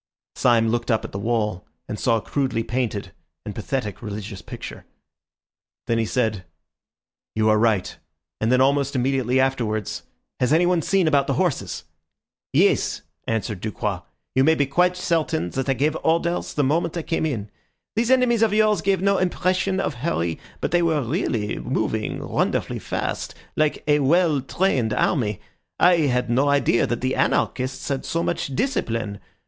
Syme looked up at the wall, and saw a crudely painted and pathetic religious picture. Then he said— "You are right," and then almost immediately afterwards, "Has anyone seen about the horses?" "Yes," answered Ducroix, "you may be quite certain that I gave orders the moment I came in. Those enemies of yours gave no impression of hurry, but they were really moving wonderfully fast, like a well trained army. I had no idea that the anarchists had so much discipline.